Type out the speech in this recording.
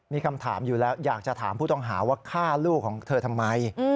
มีคำถามอยู่แล้วอยากจะถามผู้ต้องหาว่าฆ่าลูกของเธอทำไม